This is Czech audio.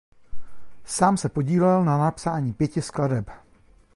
Sám se podílel na napsání pěti skladeb.